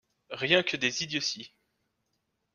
Rien que des idioties !